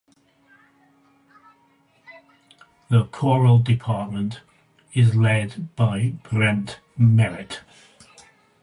The choral department is led by Brent Merritt.